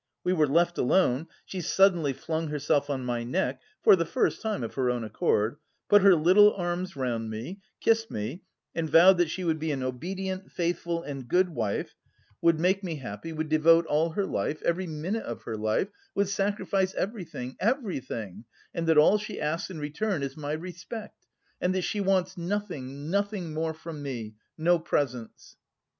We were left alone, she suddenly flung herself on my neck (for the first time of her own accord), put her little arms round me, kissed me, and vowed that she would be an obedient, faithful, and good wife, would make me happy, would devote all her life, every minute of her life, would sacrifice everything, everything, and that all she asks in return is my respect, and that she wants 'nothing, nothing more from me, no presents.